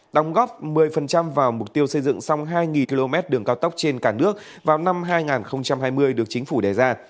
đóng góp một mươi vào mục tiêu xây dựng xong hai km đường cao tốc trên cả nước vào năm hai nghìn hai mươi được chính phủ đề ra